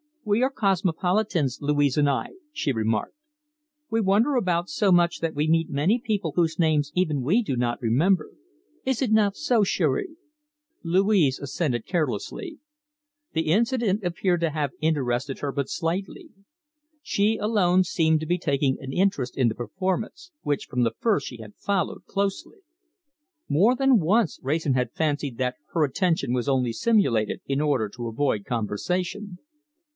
"We are cosmopolitans, Louise and I," she remarked. "We wander about so much that we meet many people whose names even we do not remember. Is it not so, chérie?" Louise assented carelessly. The incident appeared to have interested her but slightly. She alone seemed to be taking an interest in the performance, which from the first she had followed closely. More than once Wrayson had fancied that her attention was only simulated, in order to avoid conversation.